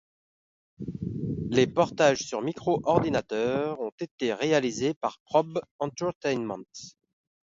Les portages sur micro-ordinateurs ont été réalisés par Probe Entertainment.